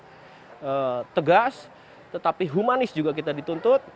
kita harus melakukan penegakan hukum secara tegas tetapi humanis juga kita dituntut